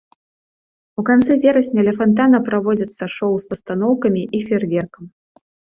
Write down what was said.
У канцы верасня ля фантана праводзяцца шоу з пастаноўкамі і феерверкам.